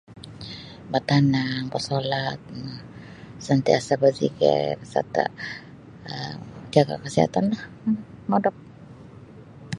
Batanang basolat um sentiasa berzikir serta' um jaga' kesihatan um dan modop.